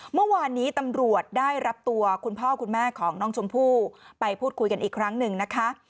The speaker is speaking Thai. เมื่อวานนี้ตำรวจได้รับตัวคุณพ่อคุณแม่ของน้องชมพู่ไปพูดคุยกันอีกครั้งหนึ่งนะคะ